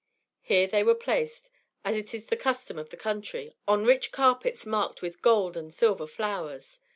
Here they were placed, as it is the custom of the country, on rich carpets marked with gold and silver flowers.